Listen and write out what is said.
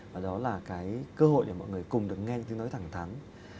và đó là cái cơ hội để mọi người cùng được nghe những cái tình nói thẳng thắn